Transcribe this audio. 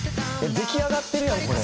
出来上がってるやんこれ。